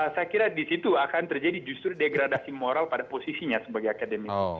saya kira di situ akan terjadi justru degradasi moral pada posisinya sebagai akademisi